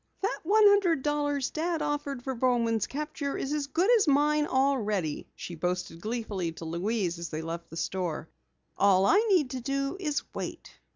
"That one hundred dollars Dad offered for Bowman's capture is as good as mine already," she boasted gleefully to Louise as they left the store. "All I need to do is wait."